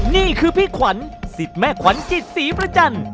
นี่คือพี่ขวัญสิทธิ์แม่ขวัญจิตศรีประจันทร์